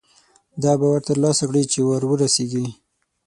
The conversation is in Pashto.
دا باور ترلاسه کړي چې وررسېږي.